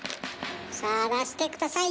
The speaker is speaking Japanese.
さあ出して下さい。